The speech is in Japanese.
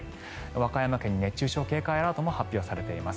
和歌山県には熱中症警戒アラートも発表されています。